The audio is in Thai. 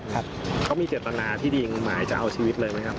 เขามีเจตนาสามารถเอาชีวิตเลยมั้ยครับ